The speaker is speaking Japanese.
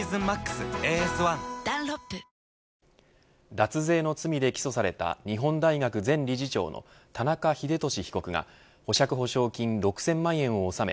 脱税の罪で起訴された日本大学前理事長の田中英寿被告が保釈保証金６０００万円を納め